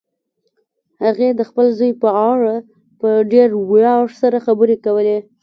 هغې د خپل زوی په اړه په ډېر ویاړ سره خبرې کولې